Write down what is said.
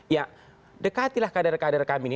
ya dekatilah kader kader kami ini